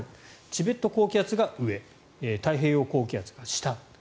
チベット高気圧が上太平洋高気圧が下。